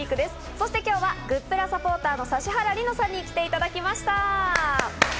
そして今日はグップラサポーターの指原莉乃さんにも来ていただきました。